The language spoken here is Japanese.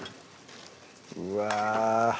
うわ